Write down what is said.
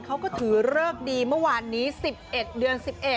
เขาก็ถือเลิกดีเมื่อวานนี้๑๑เดือน๑๑